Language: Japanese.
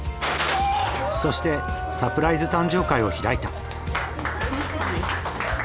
そしてサプライズ誕生会を開いた。